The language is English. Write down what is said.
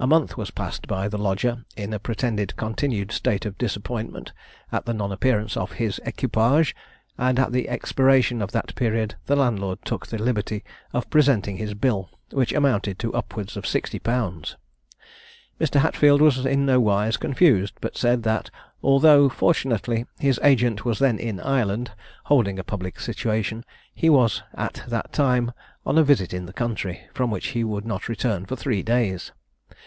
A month was passed by the lodger in a pretended continued state of disappointment at the non appearance of his equipage, and at the expiration of that period the landlord took the liberty of presenting his bill, which amounted to upwards of sixty pounds. Mr. Hatfield was in nowise confused, but said that although, fortunately, his agent was then in Ireland holding a public situation, he was, at that time, on a visit in the country, from which he would not return for three days.